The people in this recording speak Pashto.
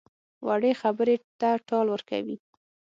وړې خبرې ته ټال ورکوي.